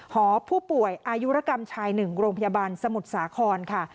หอผู้ป่วยอายุรกรรมชาย๑โรงพยาบาลสมุทรสาครค่ะ